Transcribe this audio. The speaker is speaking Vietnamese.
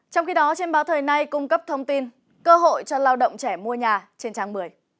trong khi đó trên báo thời nay cung cấp thông tin cơ hội cho lao động trẻ mua nhà trên trang một mươi